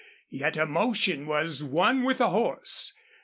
Yet her motion was one with the horse.